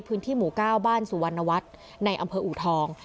พื้นที่หมู่๙บ้านสุวรรณวัฒน์ในอำเภออูทอง